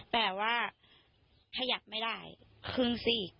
แต่ว่าถ้าอยากไม่ได้คืนสิอีก